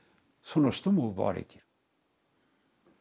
その人も奪われている。